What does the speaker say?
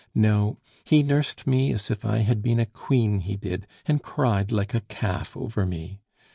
No. He nursed me as if I had been a queen, he did, and cried like a calf over me!...